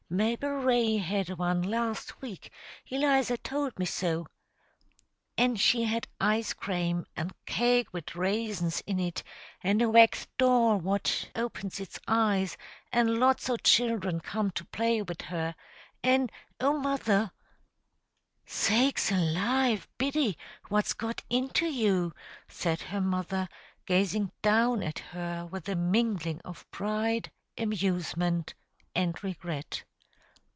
Mabel Ray had one last week; Eliza told me so. An' she had ice crame, an' cake wid raisins in it, an' a wax doll what opens its eyes, an' lots o' children come to play wid her. An', oh, mother " "Sakes alive, Biddy! what's got into you?" said her mother, gazing down at her with a mingling of pride, amusement, and regret.